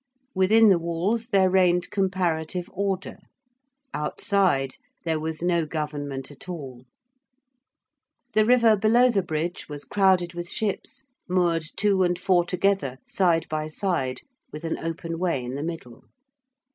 Within the walls there reigned comparative order: outside there was no government at all. The river below the Bridge was crowded with ships moored two and four together side by side with an open way in the middle.